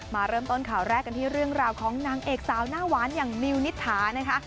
มาเริ่มต้นข่าวแรกกันที่เรื่องราวของนางเอกสาวหน้าหวานอย่างมิวนิษฐานะคะ